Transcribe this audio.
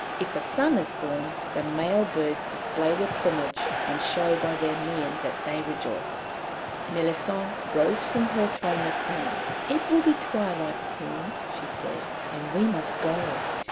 If a son is born, the male birds display their plumage, and show by their mien that they rejoice." Méllisande rose from her throne of ferns, "It will be twilight soon," she said, "and we must go.